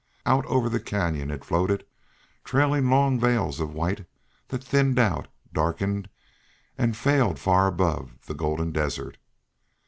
Out over the Canyon it floated, trailing long veils of white that thinned out, darkened, and failed far above the golden desert.